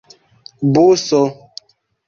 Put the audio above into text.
buso